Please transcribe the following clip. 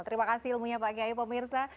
terima kasih ilmunya pak kiai pemirsa